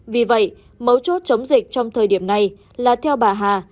vì vậy mấu chốt chống dịch trong thời điểm này là theo bà hà